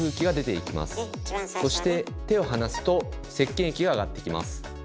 そして手を離すとせっけん液が上がってきます。